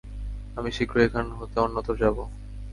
আমি শীঘ্রই এখান হতে অন্যত্র যাব।